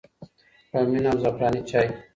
په مینه او زعفراني چای.